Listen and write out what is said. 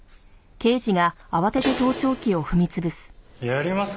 やりますか？